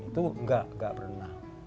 itu enggak enggak pernah